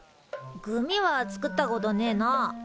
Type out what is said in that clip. グミは作ったことねえな。